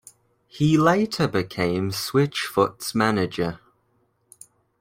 He later became Switchfoot's manager.